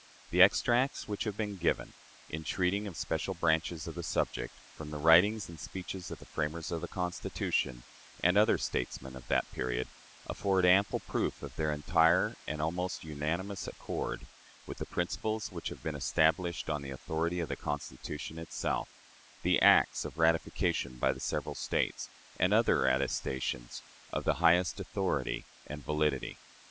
The extracts which have been given, in treating of special branches of the subject, from the writings and speeches of the framers of the Constitution and other statesmen of that period, afford ample proof of their entire and almost unanimous accord with the principles which have been established on the authority of the Constitution itself, the acts of ratification by the several States, and other attestations of the highest authority and validity.